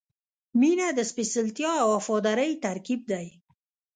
• مینه د سپېڅلتیا او وفادارۍ ترکیب دی.